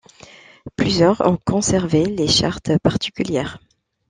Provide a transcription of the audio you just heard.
Plusieurs on conservé les chartes particulières.